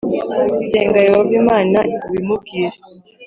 Senga Yehova Imana ubimubwire